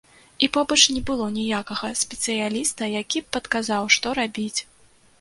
І побач не было ніякага спецыяліста, які б падказаў, што рабіць.